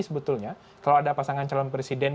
sebetulnya kalau ada pasangan calon presiden